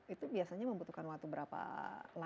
itu biasanya membutuhkan waktu berapa lama